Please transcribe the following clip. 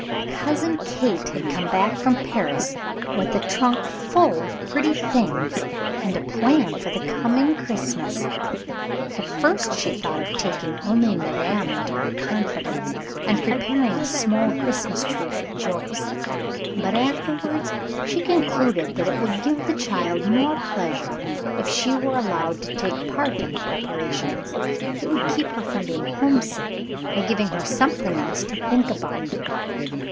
Cousin Kate had come back from Paris with a trunk full of pretty things, and a plan for the coming Christmas. At first she thought of taking only madame into her confidence, and preparing a small Christmas tree for Joyce; but afterwards she concluded that it would give the child more pleasure if she were allowed to take part in the preparations. It would keep her from being homesick by giving her something else to think about.